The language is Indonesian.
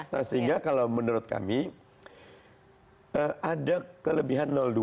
nah sehingga kalau menurut kami ada kelebihan dua